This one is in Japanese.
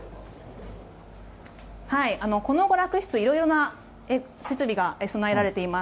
この娯楽室、いろいろな設備が備えられています。